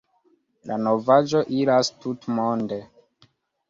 La novaĵo iras tutmonde.